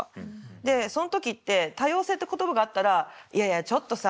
でそん時って多様性って言葉があったら「いやいやちょっとさ